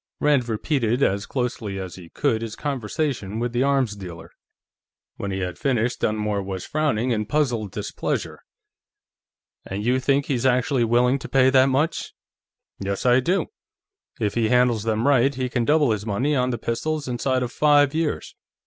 Rand repeated, as closely as he could, his conversation with the arms dealer. When he had finished, Dunmore was frowning in puzzled displeasure. "And you think he's actually willing to pay that much?" "Yes, I do. If he handles them right, he can double his money on the pistols inside of five years.